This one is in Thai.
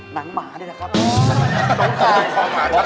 หนังหมานี่แหละครับ